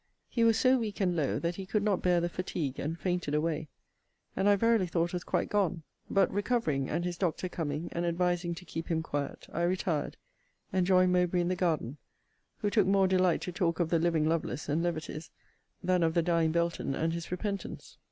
He was so weak and low, that he could not bear the fatigue, and fainted away; and I verily thought was quite gone. But recovering, and his doctor coming, and advising to keep him quiet, I retired, and joined Mowbray in the garden; who took more delight to talk of the living Lovelace and levities, than of the dying Belton and his repentance.